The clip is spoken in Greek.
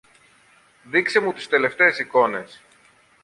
Δείξε μου τις τελευταίες εικόνες.